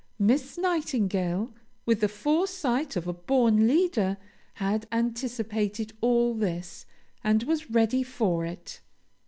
Miss Nightingale, with the foresight of a born leader, had anticipated all this, and was ready for it.